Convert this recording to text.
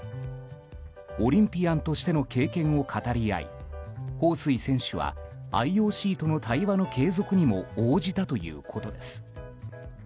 オリンピアンとしての経験を語り合いホウ・スイ選手はＩＯＣとの対話の継続にも応じたということです。